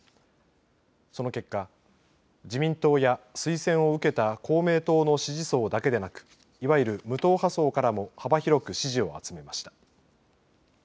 その結果自民党や推薦を受けた公明党の支持層だけでなくいわゆる無党派層からも幅広く支持を集めました。